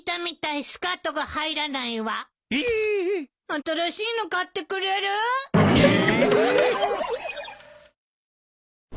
新しいの買ってくれる？ええ！？